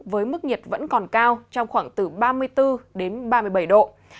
với mức nhiệt vẫn còn cao trong khoảng từ ba mươi bốn đến ba mươi bảy độ